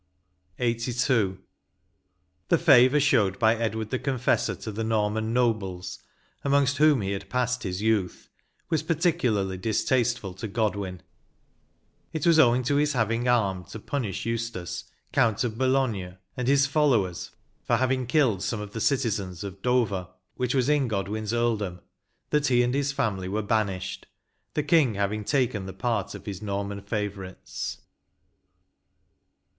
M 2 164 LXXXII. The favour showed by Edwaxd the Confessor to the Norman nobles, amongst whom he had passed his youth, was particularly distasteful to Godwin; it was owing to his having armed to punish Eustace, Count of Bologne, and his followers, for having killed some of the citizens of Dover, which was in Godwin's earldom, that he and his family were banished, the King having taken the part of his Norman favourites.